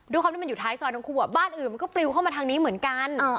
ความที่มันอยู่ท้ายซอยทั้งคู่บ้านอื่นมันก็ปลิวเข้ามาทางนี้เหมือนกัน